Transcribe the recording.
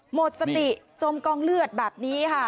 หมดสติจมกองเลือดแบบนี้ค่ะ